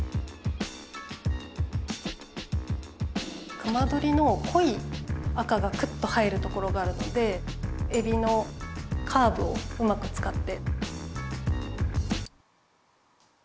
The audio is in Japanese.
隈取りの濃い赤がクッと入るところがあるのでエビのカーブをうまくつかって。